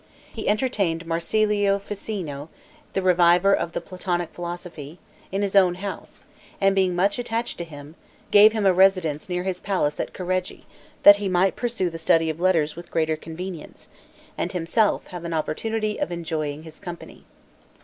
He entertained Marsilio Ficino, the reviver of the Platonic philosophy, in his own house; and being much attached to him, have him a residence near his palace at Careggi, that he might pursue the study of letters with greater convenience, and himself have an opportunity of enjoying his company.